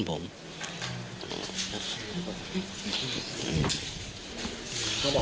ก็บอกกันเลย